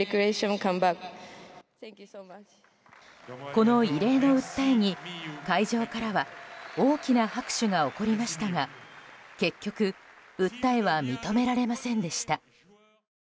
この異例の訴えに、会場からは大きな拍手が起こりましたが結局、訴えは認められませんでした。